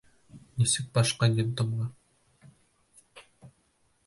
Нисек башҡа детдомға?